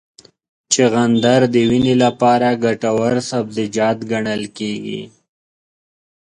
چغندر د وینې لپاره ګټور سبزیجات ګڼل کېږي.